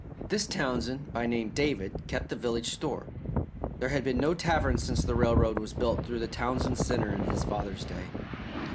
This Townsend, by name David, kept the village store. There had been no tavern since the railroad was built through Townsend Centre in his father's day.